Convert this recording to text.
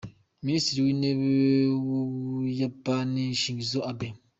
Minisitiri w’ Intebe w’ Ubuyapani Shinzo Abe.